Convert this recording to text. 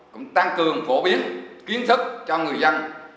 cũng tăng cường phổ biến kiến thức cho người dân